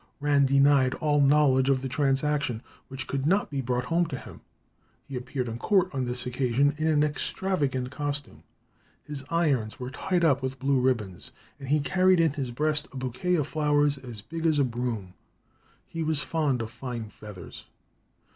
Rann denied all knowledge of the transaction, which could not be brought home to him. He appeared in court on this occasion in an extravagant costume. His irons were tied up with blue ribbons, and he carried in his breast a bouquet of flowers "as big as a broom." He was fond of fine feathers.